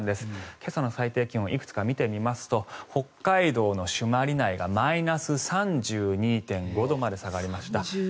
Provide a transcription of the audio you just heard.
今朝の最低気温いくつか見てみますと北海道の朱鞠内がマイナス３２．５度まで下がりました。